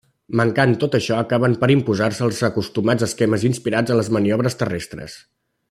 Mancant tot això, acabaven per imposar-se els acostumats esquemes inspirats en les maniobres terrestres.